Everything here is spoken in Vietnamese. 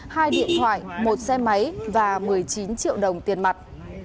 hai điện thoại một xe máy và một mươi chín triệu đồng tiền mặt